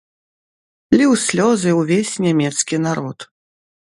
Ліў слёзы ўвесь нямецкі народ.